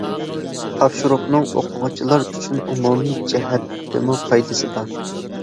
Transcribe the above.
تاپشۇرۇقنىڭ ئوقۇغۇچىلار ئۈچۈن ئومۇمىي جەھەتتىمۇ پايدىسى بار.